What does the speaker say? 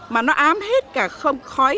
mà nó ám hết cả không khói